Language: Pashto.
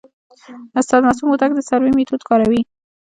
استاد معصوم هوتک د سروې میتود کاروي.